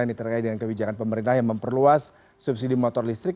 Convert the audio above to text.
ini terkait dengan kebijakan pemerintah yang memperluas subsidi motor listrik